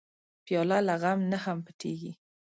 پیاله له غم نه هم پټېږي.